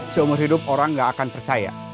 seumur hidup orang gak akan percaya